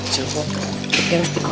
tapi harus dikompres